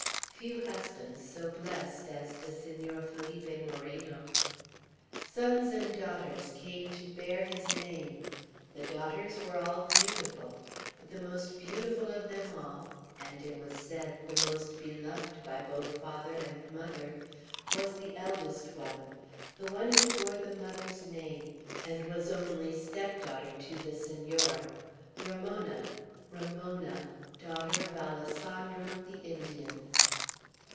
Few husbands so blest as the Senor Felipe Moreno. Sons and daughters came to bear his name. The daughters were all beautiful; but the most beautiful of them all, and, it was said, the most beloved by both father and mother, was the eldest one: the one who bore the mother's name, and was only step daughter to the Senor, Ramona, Ramona, daughter of Alessandro the Indian.